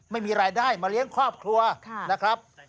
ไม่มีรายได้มาเลี้ยงครอบครัวนะครับ